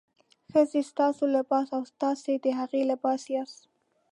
ښځې ستاسو لباس او تاسې د هغوی لباس یاست.